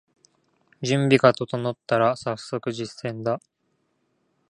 準備が整ったらさっそく実践だ